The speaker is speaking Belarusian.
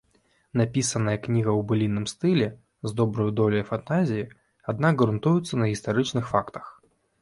Напісаная кніга ў былінным стылі, з добраю доляю фантазіі, аднак грунтуецца на гістарычных фактах.